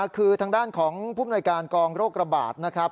คือทางด้านของผู้มนวยการกองโรคระบาดนะครับ